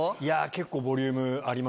結構ボリュームありますね。